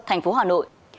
thành phố hà nội